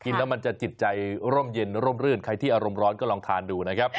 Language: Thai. แล้วมันจะจิตใจร่มเย็นร่มรื่นใครที่อารมณ์ร้อนก็ลองทานดูนะครับ